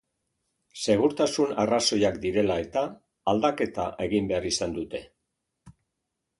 Segurtasun arrazoiak direla eta, aldaketa egin behar izan dute.